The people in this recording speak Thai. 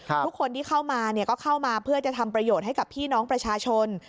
ทุกคนที่เข้ามาเนี่ยก็เข้ามาเพื่อจะทำประโยชน์ให้กับพี่น้องประชาชน